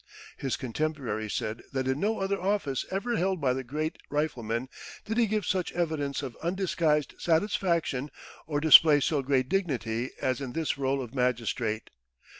His contemporaries said that in no other office ever held by the great rifleman did he give such evidence of undisguised satisfaction, or display so great dignity as in this rôle of magistrate.